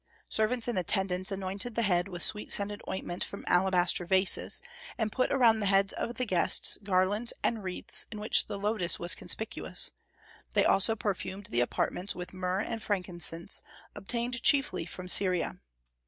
Servants in attendance anointed the head with sweet scented ointment from alabaster vases, and put around the heads of the guests garlands and wreaths in which the lotus was conspicuous; they also perfumed the apartments with myrrh and frankincense, obtained chiefly from Syria.